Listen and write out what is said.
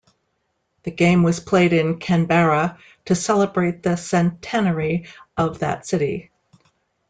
The game was played in Canberra to celebrate the centenary of that city.